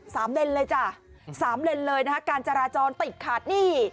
เลนเลยจ้ะสามเลนเลยนะคะการจราจรติดขาดหนี้